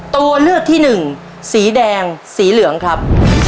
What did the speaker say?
ตัวเลือกที่หนึ่งสีแดงสีเหลืองครับ